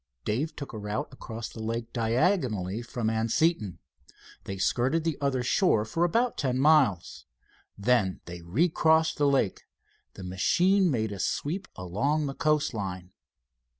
Dave took a route across the lake diagonally from Anseton. They skirted the other shore for about ten miles. Then they recrossed the lake. The machine made a sweep along the coast line.